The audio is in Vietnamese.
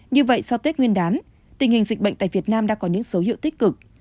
như vậy sau tết nguyên đán tình hình dịch bệnh tại việt nam đã có những dấu hiệu tích cực